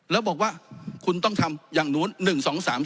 แล้วบอกว่าคุณต้องทำอย่างนู้น๑๒๓๔